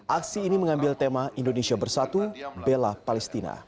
aksi ini mengambil tema indonesia bersatu bela palestina